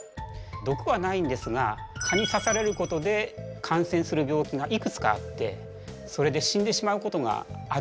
毒はないんですが蚊に刺されることで感染する病気がいくつかあってそれで死んでしまうことがあるんです。